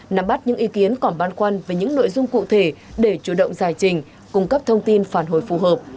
nắm bắt những ý kiến còn băn khoăn về những nội dung cụ thể để chủ động giải trình cung cấp thông tin phản hồi phù hợp